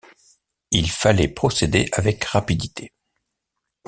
Il fallait procéder avec rapidité.